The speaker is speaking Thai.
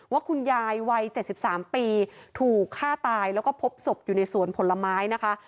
ว่าคุณยายวัย๗๓ปีถูกฆ่าตายแล้วก็พบศพอยู่ในสวนผลไม้นะคะ